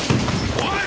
おい！